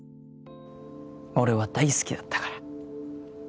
俺は大好きだったから。